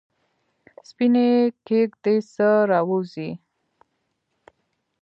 سپینې کیږ دۍ څخه راووزي